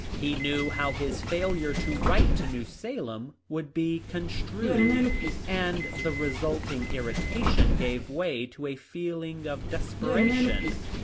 He knew how his failure to write to New Salem would be construed, and the resulting irritation gave way to a feeling of desperation.